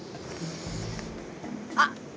あっ！